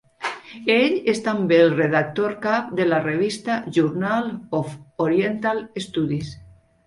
Ell és també el redactor cap de la revista "Journal of Oriental Studies".